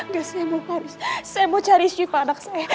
nggak saya mau cari syifa anak saya